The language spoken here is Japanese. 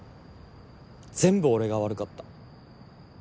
全部俺が悪かった。